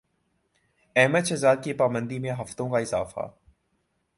احمد شہزاد کی پابندی میں ہفتوں کا اضافہ